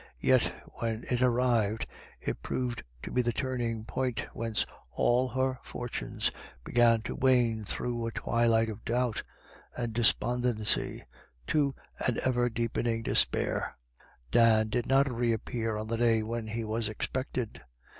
Yet when it arrived, it proved to be the turning point whence all her fortunes began to wane through a IS 210 IRISH IDYLLS. twilight of doubt and despondency to an ever deepening despair. Dan did not reappear on the day when he was expected.